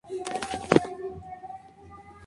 Se acercan y pueden ver un ovni.